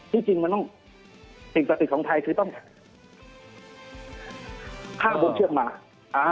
ที่จริงมันต้องสถิตภัยของไทยต้องค่าร้อนเข้าเชือกมา